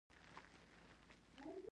ستا په ښارونو او ماڼیو باندې